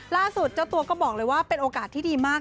เจ้าตัวก็บอกเลยว่าเป็นโอกาสที่ดีมาก